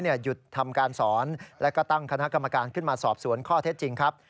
หยุดทำการสอนและก็ตั้งคณะกรรมการขึ้นมาสอบสวนข้อเท็จจริงครับ